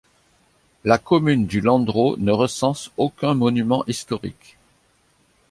La commune du Landreau ne recense aucun monument historique.